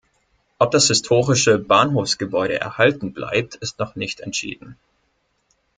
Ob das historische Bahnhofsgebäude erhalten bleibt, ist noch nicht entschieden.